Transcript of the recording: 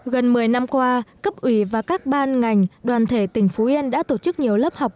gần một mươi năm qua cấp ủy và các ban ngành đoàn thể tỉnh phú yên đã tổ chức nhiều lớp học